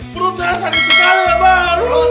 perut saya sakit sekali